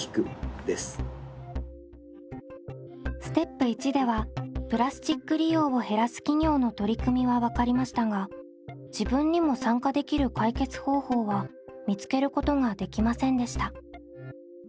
ステップ①ではプラスチック利用を減らす企業の取り組みは分かりましたが自分にも参加できる解決方法は見つけることができませんでした。